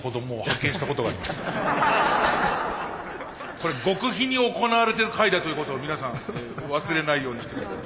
これ極秘に行われてる会だということを皆さん忘れないようにして下さい。